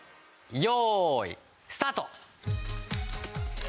よーいスタート！